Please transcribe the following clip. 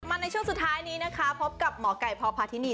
ในช่วงสุดท้ายนี้นะคะพบกับหมอไก่พพาธินี